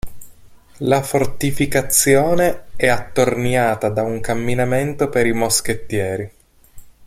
La fortificazione è attorniata da un camminamento per i moschettieri.